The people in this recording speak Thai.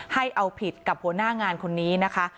ให้เอาผิดกับหัวหน้างานคนนี้นะคะ